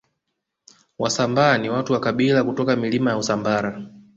Wasambaa ni watu wa kabila kutoka Milima ya Usambara